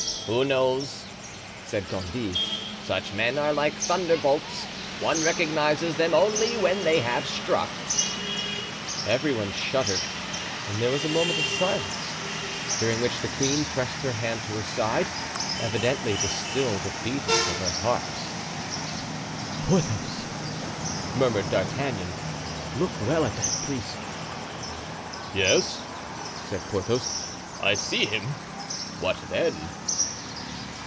"Who knows?" said Gondy; "such men are like thunderbolts—one recognizes them only when they have struck." Every one shuddered and there was a moment of silence, during which the queen pressed her hand to her side, evidently to still the beatings of her heart. ("Porthos," murmured D'Artagnan, "look well at that priest." "Yes," said Porthos, "I see him. What then?"